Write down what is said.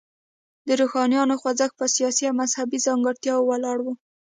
د روښانیانو خوځښت په سیاسي او مذهبي ځانګړتیاوو ولاړ و.